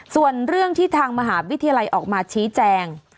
ส่วนเรื่องที่ทางมหาวิทยาลัยออกมาชี้แจง